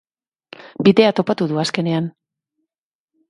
Bidea topatu du azkenean.